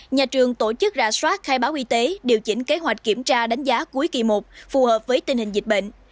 nhà trường tổ chức ra soát khai báo y tế điều chỉnh kế hoạch kiểm tra đánh giá cuối kỳ một phù hợp với tình hình dịch bệnh